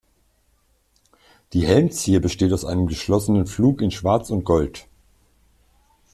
Die Helmzier besteht aus einem geschlossenen Flug in Schwarz und Gold.